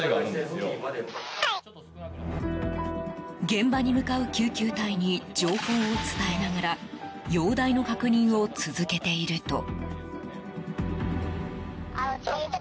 現場に向かう救急隊に情報を伝えながら容体の確認を続けていると。